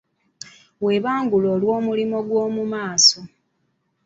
Weebangule olw'omulimu gw'omu maaso.